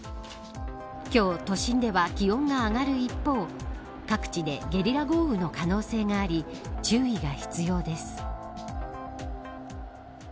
今日、都心では気温が上がる一方各地でゲリラ豪雨の可能性があり注意が必要です。